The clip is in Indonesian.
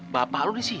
bapak lu di sini